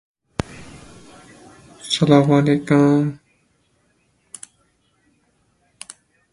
Five are still assigned to their routes, while eight have been removed or renumbered.